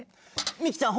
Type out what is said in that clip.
ミキちゃん